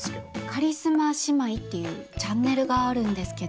カリスマ姉妹っていうチャンネルがあるんですけど。